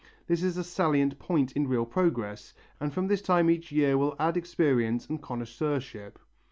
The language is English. This is a salient point in real progress, and from this time each year will add experience and connoisseurship.